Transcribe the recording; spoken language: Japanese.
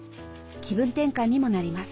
気分転換にもなります。